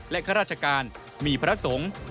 ข้าราชการมีพระสงฆ์